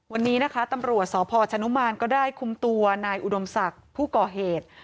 วันนี้นะคะตำรวจสพชนุมานก็ได้คุมตัวนายอุดมศักดิ์ผู้ก่อเหตุ